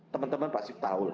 teman teman pasti tahu